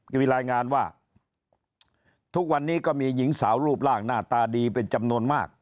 มีรายงานว่าทุกวันนี้ก็มีหญิงสาวรูปร่างหน้าตาดีเป็นจำนวนมาก